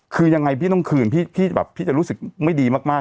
คือยังไงพี่ต้องคืนพี่แบบพี่จะรู้สึกไม่ดีมาก